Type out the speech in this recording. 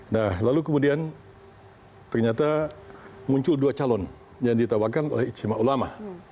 nah lalu kemudian ternyata muncul dua calon yang ditawarkan oleh ijtima ulama